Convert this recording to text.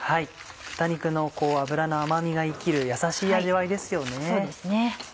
豚肉の脂の甘みが生きるやさしい味わいですよね。